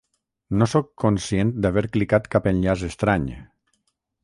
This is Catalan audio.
No sóc conscient d’haver clicat cap enllaç estrany.